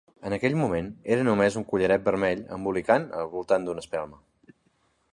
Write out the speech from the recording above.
En aquell moment era només un collaret vermell embolicat al voltant d'una espelma.